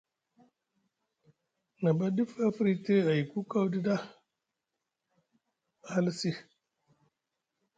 Na ɓa dif a firyiti ayku kawɗi ɗa a halasi.